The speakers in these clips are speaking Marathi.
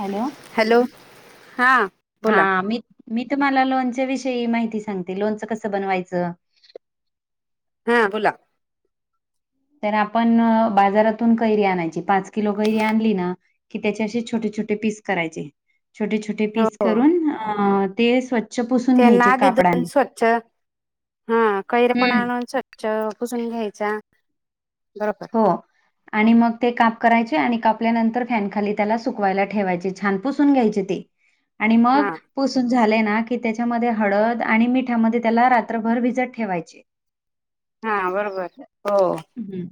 हॅलो! हॅलो हा बोला हा मी मी तुम्हाला लोनच्या विषयी माहिती सांगते. लोनचं कसं बनवायचं? हा बोला? तर आपण बाजारातून कैरी आण कि त्याचे असे छोटे- छोटे पीस करायचे. छोटे- छोटे हो पीस करून अ ते स्व्छ ते ना दिन स्वच्छ हा कैर पण हम्म आणून स्छ च पुसून घ्यायचा, बरोबर. हो. आणि मग ते काप करायचे आणि कापल्यानंतर फॅन खाली त्याला सुकवायला ठेवायचे छान पुसून घ्यायचे ते. आणि मग हा पुसून झाले ना की त्याच्यामध्ये हळद आणि मिठामध्ये त्याला रात्रभर भिजत ठेवायचे. [inaudible] हा बरोबर हो, हम्म.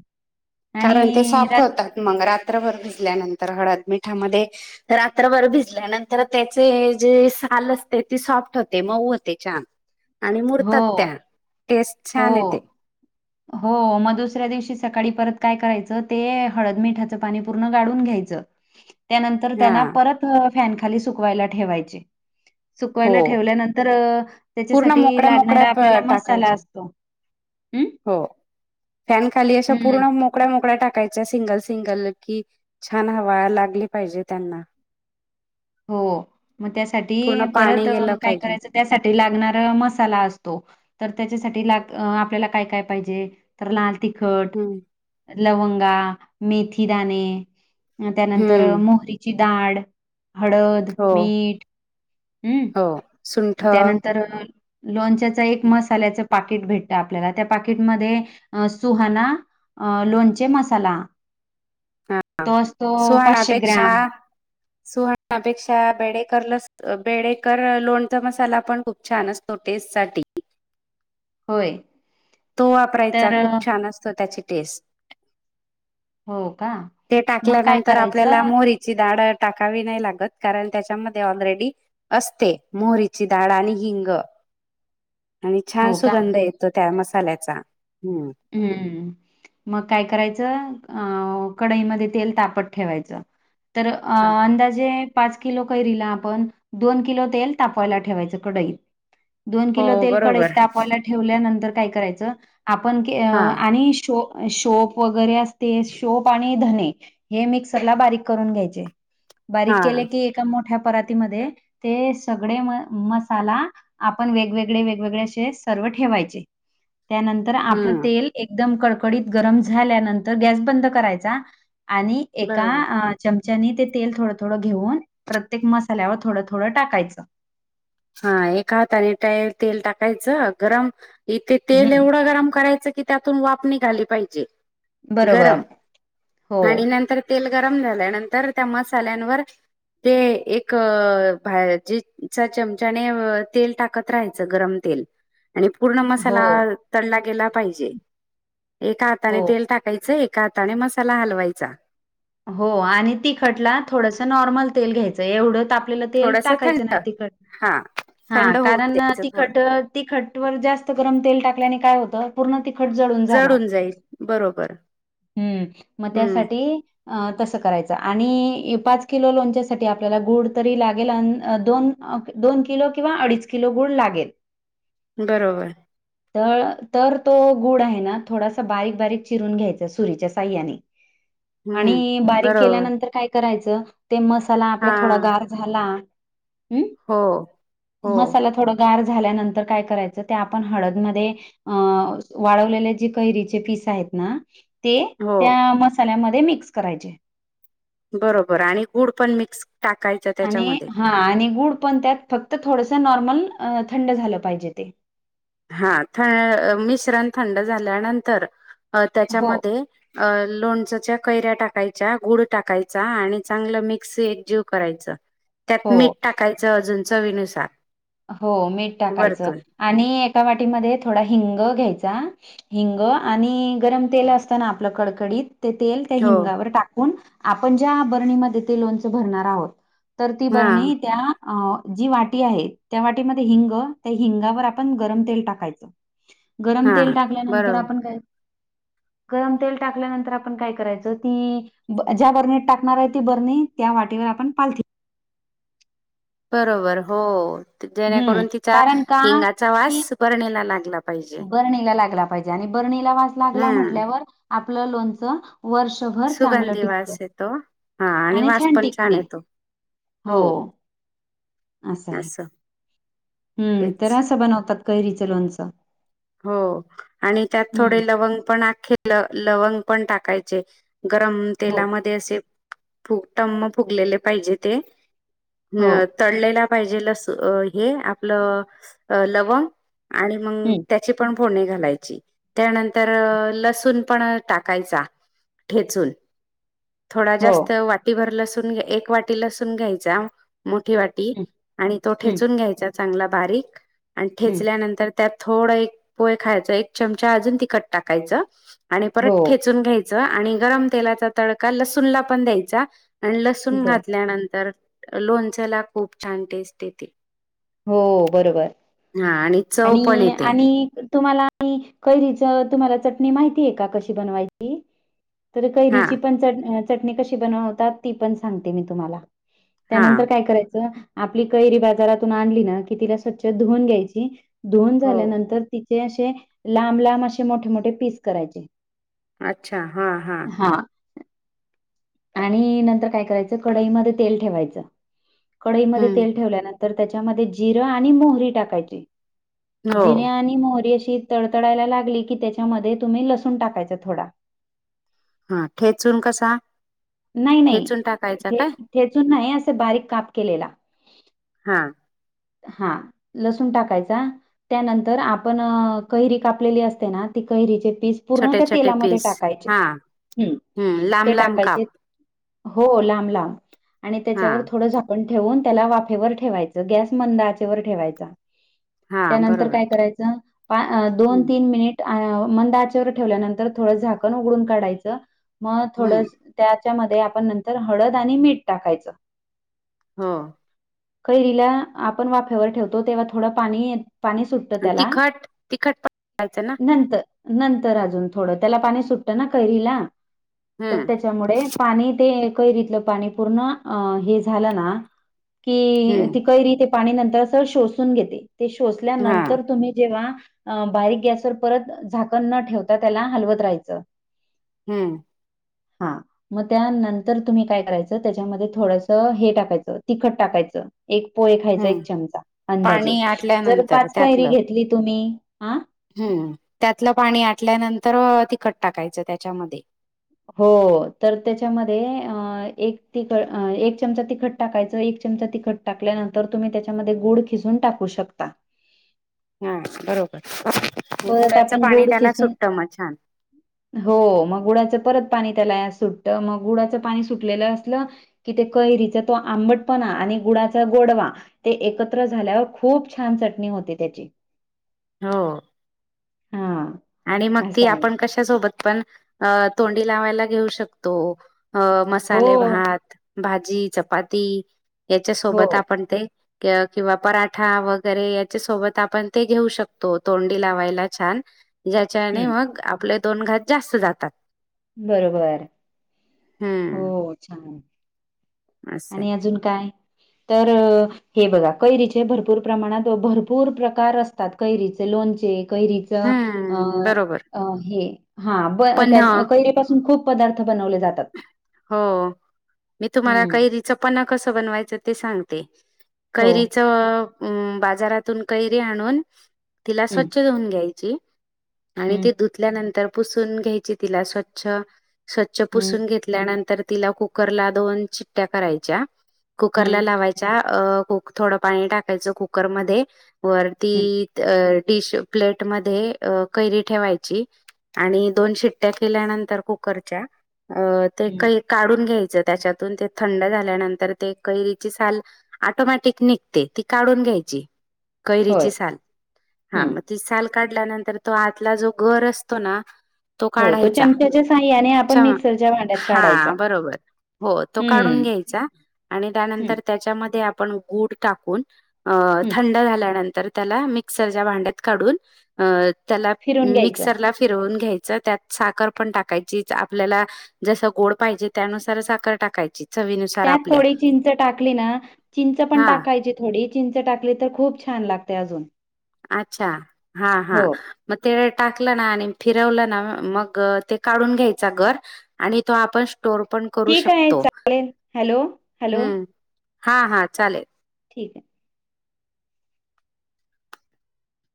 कारण ते आणि सॉफ्ट होतात मग रा रात्रभर भिजल्यानंतर हळद मिठामध्ये रात्रभर भिजल्यानंतर त्याचे जे साल असते, ती सॉफ्ट होते मऊ होते छान. आणि हो, मुरतात त्या, टेस्ट छान येते. हो. हो मग दुसऱ्या दिवशी सकाळी परत काय करायचं ते हळद मिठाचं पाणी पूर्ण गाढून घ्यायचं. त्यानंतर हा त्यांना परत फॅन खाली सुकवायला ठेवायचे. हो सुकवायला ठेवल्यानंतर पूर्ण त्याच्यासाठी मोकळ्या लागणारा मोकळ्या आपल्याला मसाला टाकायचे असतो. हम्म. हो फॅन खाली अशा पूर्ण मो मोकड्या, मोकड्या टाकायच्या सिंगल, सिंगल कि छान हवा लागली पाहिजे त्यांना हो मग पूर्ण त्यासाठी पाणी परत गेलं काय पाहिजे करायचं? त्यासाठी लागणार मसाला असतो तर त्याच्यासाठी लाग आपल्याला काय, काय पाहिजे तर लाल तिखट, हम्म लवंगा, मेथीदाणे त्यानंतर हम्म मोहरीची डाळ, हळद, हो मीठ हम्म. हो सुंठ हा त्यानंतर लोणच्याचा एक मसाल्याच पाकिट भेटत आपल्याला त्या पाकिटमध्ये सुहाना अ लोणचे मसाला तो असतो पाचशे ग्राम सुहनापेक्षा बेडेकर लस बेडेकर लोणचा मसाला पण खूप छान असतो. तो टेस्टसाठी. होय. तो वापरायचा तर अ, खूप छान असतो त्याची टेस्ट. हो का. ते मग काय टाकल्यानंतर आपल्याला करायचं मोहरीची दाड टाकावी नाही लागत कारण त्याच्यामध्ये ऑलरेडी असते मोहरीची डाळ आणि हिंग. [inaudible] आणि छान हो का? सुगंध येतो त्या मसाल्याचा हम्म. हम्म. मग काय करायचं अं कडाई मध्ये तेल तापत ठेवायचं. तर अ हा अंदाजे पाच किलो कैरीला आपण दोन किलो तेल तापवायला ठेवायचं कडईत. दोन किलो हो तेल कडईत बरोबर तापतायला ठेवल्यानंतर काय करायचं आपण हा आणि शो शोप वगैरे असते शोप आणि धने हे मिक्सरला बारीक करून घ्यायचे हा बारीक केले की एकदम मोठ्या परातीमध्ये ते सगळे म मसाला आपण वेगवेगळे, वेगवेगळे असे सर्व ठेवायचे त्यानंतर आपलं हम्म. तेल एकदम कडकडीत गरम झाल्यानंतर गॅस बंद करायचा आणि एका बरोबर. अ चमच्यानी तेल थोडं, थोडं घेऊन प्रत्येक मसाल्यावर थोडं, थोडं टाकायचं. हा एका हाताने त्या तेल टाकायचं गरम इथे तेल हम्म एवढं गरम करायचं कि त्यातून वाप निघाली पाहिजे बरोबर गरम हो, आणि नंतर तेल गरम झाल्यानंतर त्या मसाल्यांवर ते एक भाजेचा चम त्याने तेल टाकत राहायचं गरम तेल आणि पूर्ण हो, मसाला तळला गेला पाहिजे एका हाताने हो, तेल टाकायचं एका हाताने मसाला हलवायचा. हो आणि तिखटला थोडस नॉर्मल तेल घ्यायचं एवढं ताप तापलेल तेल थोडस टाकायचं थंड नाही तिखट हा हा थंड होऊ कारण द्यायचं थोडं तिखट तीखट वर जास्त गरम तेल टाकल्याने काय होतं पूर्ण तिखट जळून जाणार, जडून जाईल बरोबर हम्म मग हम्म त्यासाठी अ तसं करायचं आणि पाच किलो लोणच्यासाठी आपल्याला गुड तरी लागेल अ दोन अह दोन किलो किंवा अडीच किलो गुळ लागेल. बरोबर. तर तर तो गुड आहे ना थोडासा बारीक बारीक चिरून घ्यायचा सुरीच्या साह्याने हम्म आणि बारीक बरोबर केल्यानंतर काय करायचं ते मसाला आपला हा थोडा गार झाला हम्म हो हो मसाल्यात थोडं गार झाल्यानंतर काय करायचं ते आपण हळदमध्ये अह वाळवलेले जे कैरीचे पीस आहेत ना ते हो त्या मसाल्यामध्ये मिक्स करायचे. बरोबर आणि गुड पण मिक्स टाकाय आणि हा आणि गुड पण त्यात फक्त थोडसं नॉर्मल अह थंड झालं पाहिजे ते हा थ मिश्रण थंड झाल्यानंतर अह हो त्याच्यामध्ये अह लोणचच्या कैऱ्या टाकायच्या, गुड टाकायचा आणि चांगलं मिक्स एक जीव करायच. त्यात हो मीठ टाकायचं अजून चवीनुसार. हो मीठ टाकायचं वरतून आणि एका वाटीमध्ये थोडा हिंग घ्यायचा हिंग आणि गरम तेल असत ना आपलं कडकडीत ते तेल त्या हो हिंगावर टाकून आपण ज्या बरणीमध्ये ते लोणच भरणार आहोत तर ती हा बरणी त्या जी वाटी आहे त्या वाटीमध्ये हिंग त्या हिंगावर आपण गरम तेल टाकायचं गरम हा तेल टाकल्यानंतर बरोबर आपण काय गरम तेल टाकल्यानंतर आपण काय करायचं ती ज्या बरणीत टाकणार आहे ती बरणी त्या वाटीवर आपण पालथी बरोबर हो हं, जेणेकरून तिचा कारण का हिंगाचा की वास बरणीला लागला पाहिजे बरणीला लागला पाहिजे आणि बरणी ला वास लागला हम्म म्हटल्यावर आपलं लोनचं वर्षभर चांगलं सुगंधी टिकत वास येतो हा आणि वास छान पण टिकते येतो हो असं आहे. हम्म तर तेच असं बनवतात कैरीचं लोणचं. हो आणि त्यात हम्म थोडे लवंग पण अख्खे ल लवंग पण टाकायचे गरम हो तेलामध्ये असे फु टम्म फुगलेले पाहिजे ते हो अह तळलेला पाहिजे लस हे आपलं लवंग आणि मग हम्म आपण फोडणी घालायची त्यानंतर लसूण पण टाकायचा ठेचून थोडा हो जास्त वाटीभर लसून घ एक वाटी लसून घ्यायचा मोठी वाटी हम्म आणि तो हम्म ठेचून घ्यायचा चांगला बारीक आणि हम्म ठेचल्यानंतर त्यात थोड एक पोहे खायच एक चमचा अजून तिखट टाकायचं आणि हो परत ठेचून घ्याय च आणि गरम तेलाचा तडका लसूण ला पण द्यायचा आणि लसूण बर घातल्यानंतर लोणच्याला खूप छान टेस्ट येते. हो बरोबर हा आणि चव पण आणि येते आणि तुम्हाला आणि कैरीच तुम्हाला चटणी माहितीय का कशी बनवायची? तर हा कैरीची पण च चटणी कशी बनवतात ती पण सांगते मी तुम्हाला हा त्यानंतर काय करायचं आपली कैरी बाजारात तून आणली ना कि तिला स्वचछ धुऊन घ्यायची धुऊन हो झाल्यानंतर तिचे अशे लांब लांब असे मोठे मोठे पीस करायचे. अच्छा, हा हा. हा. आणि नंतर काय करायचं कडईमध्ये तेल ठेवायचं. कढई मध्ये हम्म तेल ठेवल्यानंतर त्याच्यामध्ये जिरं आणि मोहरी टाकायची, हो जिरे आणि ती मोहरी अशी तडतडायला लागली कि त्याच्यामध्ये तुम्ही लसूण टाकायचा थोडा. हा ठेचून कसा? नाही ठेचून टाकायचा नाहीे, काय ठेचून नाही अस बारीक काप केलेला. हा. हा लसूण टाकायचा त्यानंतर आपण अ कैरी कापलेली असते ना, ती कैरीचे पीस पूर्ण छोटे त्या छोटे तेलामध्ये पीस टाकायचे, हा हम्म लांब ते लांब टाकायचे काप हो लांब लांब आणि हा त्याच्यावर थोडं झाक कण ठेवून त्याला वाफेवर ठेवायचं, गॅस मंद आचेवर ठेवायचा हा त्यानंतर बरोबर काय करायचं, पा हम्म दोन-तीन मिनिट आ मंद आचेवर ठेवल्यानंतर थोडं झाकण उघडून काढायचं, मग थोड हम्म त्यात त्या मध्ये आपण नंतर हळद आणि मीठ टाकायचं. हो. कैरीला आपण वाफ्यावर ठेवतो तेव्हा थोडं पाणी ये, पाणी सुटत ट आणि त्याला तिखट तिखट पण टाकायचं ना नंतर नंतर अजून थोडं त्याला, पाणी सुटत ना कैरीला तर हम्म त्याच्यामुडे पाणी ते कैरीतलं पाणी पूर्ण अ हे झालं ना कि, हम्म ती कैरी ते पाणी नंतर सर शोषून घेते. ते हा शोषल्यानंतर तुम्ही जेव्हा अ बारीक गॅसवर परत झाकण न ठेवता त्याला हलवतं राहायचं. हम्म. हा. म त्यानंतर तुम्ही काय करायचं त्याच्यामध्ये थोडंस हे टाकायच, तिखट टाकायचं. एक पोहे खायचा हम्म एक चमचा अंदाजे, पाणी जर आटल्यानंतर पाच कैरी त्यातलं घेतली तुम्ही, हा. हम्म, त्यातलं पाणी आटल्यानंतर अ तिखट टाकायचं त्याच्यामध्ये. हो तर त्याच्यामध्ये अ एक तिख, एक चमचा तिखट टाकायचं, एक चमचा तिखट टाकल्यानंतर तुम्ही त्याच्यामध्ये गूळ किसून टाकू शकता. हम्म बरोबर, परत गुडाच आपण पाणी गूळ त्याला खिसून सुटत म छान. हो मग गुळाचं परत पाणी त्याला या सुटतं मग गुळाचं पाणी सुटलेलं असलं की ते कैरीचा तो आंबटपणा आणि गुडाचा गोडवा ते एकत्र झाल्यावर खूप छान चटणी होती, त्याची. हो. हा. आणि मग ती आपण कशा सोबत पण अ तोंडी लावायला घेऊ शकतो, अ हो, मसाले भात, भाजी, चपाती याच्या सोबत हो. आपण ते की किंवा पराठा वगैरे याच्या सोबत आपण ते घेऊ शकतो, तोंडी लावायला छान. ह्याच्याने हं, मग, आपले दोन घास जास्त जातात. बरोबर. हम्म हो, छान. असे आणि अजून काय, तर अ? हे बघा कैरीचे भरपूर प्रमाणात, भरपूर प्रकार असतात कैरीचे लोणचे, कैरी [inaudible] हम्म बरोबर अ हे, हा ब पण त्या कैरी पासून खूप पदार्थ बनवले जातात. हो, मी तुम्हाला हं. कैरी च पन्ह कस बनवायचं ते सांगते. हो. कैरीच उं बाजारातून कैरी आणून तिला हं, स्वच्छ धुऊन घ्यायची. आणि हं, ती धुतल्यानंतर पुसून घ्यायची तिला स्वच्छ, स्वच्छ हं, पुसून घेत ल्यानंतर तिला कुकरला दोन शिट्ट्या करायच्या, कुकर ला हं, लावायच्या अ कु थोडं पाणी टाकायचं कुकरमध्ये वरती हं, डिश, प्लेट अ मधे कैरी ठेवायची आणि दोन शिट्ट्या केल्यानंतर कुकरच्या अ ते हं. कै काढून घ्यायचं त्याच्यातून ते थंड झाल्यानंतर ते कैरीची साल अटोमॅटिक निघते ती काढून घ्यायची. होय. कैरीची साल हा, हं. मग ती साल काढल्यानंतर तो आतला जो गर असतो ना तो हो, काढायचा चमच्याच्या साहाय्याने आपण क्षमा मिक्सरच्या भांड्यात काढायचा. हा बरोबर हो तो काढून हं, घ्यायचा. आणि हं, त्यानंतर त्याच्यामध्ये आपण गुड टाकून अ हं. थंड झाल्यानंतर त्याला मिक्सरच्या भांड्यात काढून, अ त्याला फिरून घ्यायचं. मिक्सरला फिरवून घ्यायचं, त्यात साखर पण टाकायचीच आपल्याला जसं गोड पाहिजे त्यानुसारच साखर टाकायची. चवीनुसार त्यात आपल्या थोडी चिंच टाकली ना, चिंच पण हा टाकायची. थोडी चिंच टाकली तर, खूप छान लागतय आग. अच्छा, हा हा. मग ते टाकलं ना आणि फिरवलं ना, मग ते काढून घ्यायचा गर आणि तो आपण स्टोर पण करू ठीक आहे शकतो. चालेल हॅलो हॅलो हुं. हा हा चालेल. ठीक हाय.